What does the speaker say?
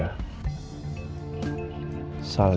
jika selama saya nggak ada